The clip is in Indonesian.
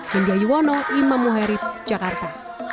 hindia yuwono imam muharid jakarta